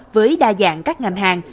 với đa dạng các ngành hàng